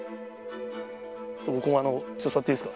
ちょっと僕も座っていいですか。